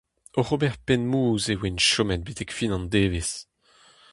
Oc'h ober penn-mouzh e oan chomet betek fin an devezh.